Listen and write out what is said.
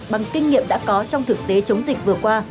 bằng kinh nghiệm đã có trong thực tế chống dịch vừa qua